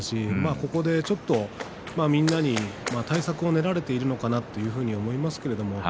ここでちょっとみんなに対策を練られているのかなと思いますけれども。